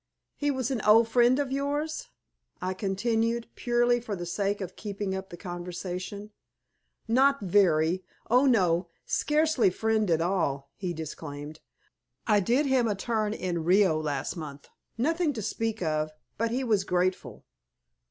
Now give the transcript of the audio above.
"He was an old friend of yours?" I continued, purely for the sake of keeping up the conversation. "Not very. Oh, no! Scarcely friend at all," he disclaimed. "I did him a turn in Rio last month. Nothing to speak of, but he was grateful."